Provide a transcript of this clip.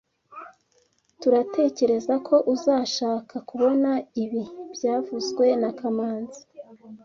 turatekerezako uzashaka kubona ibi byavuzwe na kamanzi